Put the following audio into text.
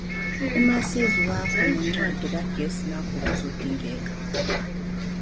Umazisi wakho nencwadi kagesi nakho kuzodingeka.